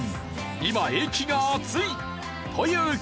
今駅が熱い！という事で。